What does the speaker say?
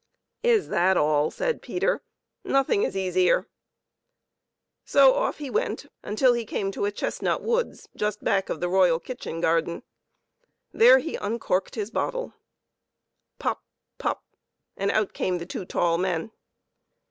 " Is that all ?" said Peter. " Nothing is easier." So off he went, until he came to a chestnut woods just back of the royal kitchen gar den. There he uncorked his bottle. Pop ! pop ! and out came the two tall men.